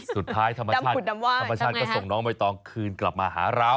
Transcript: สุดท้ายธรรมชาติกลับมาส่งน้องเบยตองคืนกลับมาหาเรา